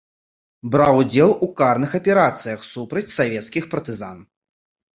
Браў удзел у карных аперацыях супраць савецкіх партызан.